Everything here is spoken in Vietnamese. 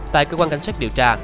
tại cơ quan cảnh sát điều tra